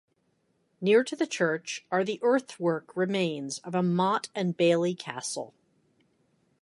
Near to the church are the earthwork remains of a motte and bailey castle.